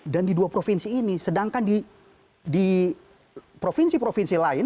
dan di dua provinsi ini sedangkan di provinsi provinsi lain